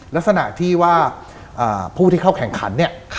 ลักษณะที่ว่าผู้ที่เข้าแข่งขันเนี่ย